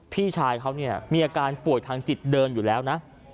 พี่ชายเขาเนี่ยมีอาการป่วยทางจิตเดินอยู่แล้วนะ